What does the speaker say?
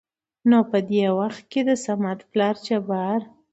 نو په د وخت کې دصمد پلار جبار